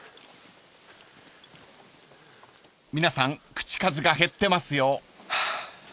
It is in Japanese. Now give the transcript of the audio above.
［皆さん口数が減ってますよ］